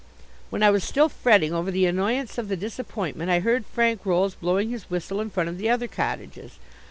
When I was still fretting over the annoyance of the disappointment I heard Frank Rolls blowing his whistle in front of the other cottages.